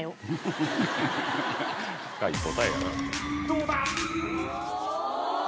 どうだ